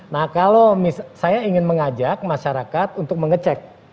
nah kalau saya ingin mengajak masyarakat untuk mengecek